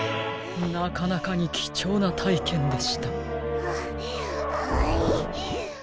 なかなかにきちょうなたいけんでした。